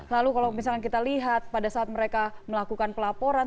lalu kalau misalnya kita lihat pada saat mereka melakukan pelaporan